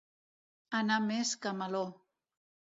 Anar més que Meló.